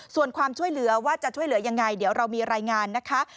ส่วนความช่วยเหลือว่าจะช่วยเหลือยังไงเดี๋ยวเรามีรายงานนะคะ